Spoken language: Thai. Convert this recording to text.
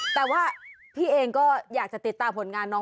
แต่ว่าพี่เองก็อยากจะติดตามผลงานน้อง